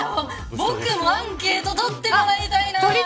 僕もアンケート取ってもらいたいな。